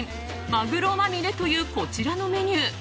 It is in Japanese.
まぐろまみれというこちらのメニュー。